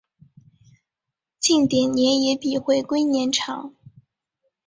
近点年也比回归年长。